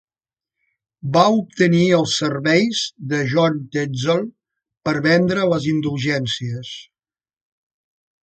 Va obtenir els serveis de John Tetzel per vendre les indulgències.